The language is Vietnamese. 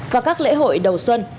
vào các lễ hội đầu xuân